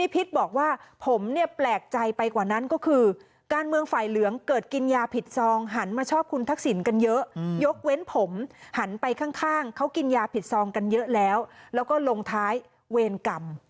ผิดซองกันเยอะแล้วแล้วก็ลงท้ายเวรกรรม